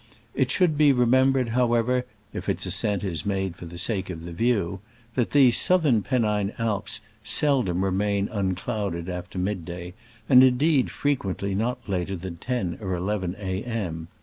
It should be rem ember ed, however (if its ascent is made for the sake of the view), that these southern Pennine Alps sel dom remain unclouded after mid day, and in deed frequently not later than ten or eleven A. m.